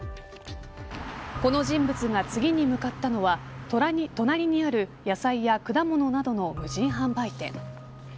この人物が次に向かったのは隣にある野菜や果物などの無人販売店。